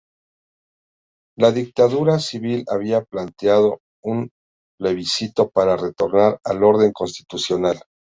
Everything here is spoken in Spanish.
La dictadura civil había planteado un plebiscito para retornar al orden constitucional.